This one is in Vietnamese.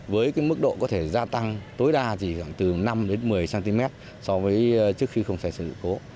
với mức độ có thể gia tăng tối đa chỉ khoảng từ năm một mươi cm so với trước khi không xảy ra sự cố